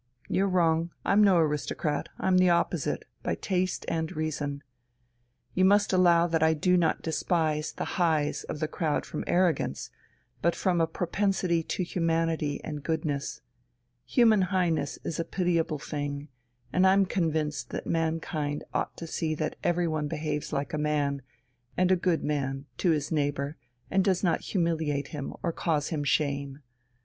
You're wrong. I'm no aristocrat, I'm the opposite, by taste and reason. You must allow that I do not despise the 'Hi's' of the crowd from arrogance, but from a propensity to humanity and goodness. Human Highness is a pitiable thing, and I'm convinced that mankind ought to see that everyone behaves like a man, and a good man, to his neighbour and does not humiliate him or cause him shame.